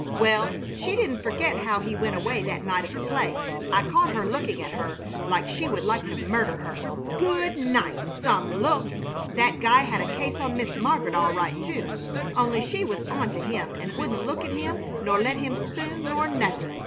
Well, she didn't forget how he went away that night of the play. I caught her looking at her like she would like to murder her. Good night! Some look! The guy had a case on Miss Mar'get, all right, too, only she was onto him and wouldn't look at him nor let him spoon nor nothing.